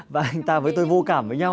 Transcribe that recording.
và anh ta với tôi vô cảm với nhau